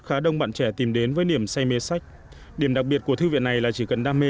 khá đông bạn trẻ tìm đến với niềm say mê sách điểm đặc biệt của thư viện này là chỉ cần đam mê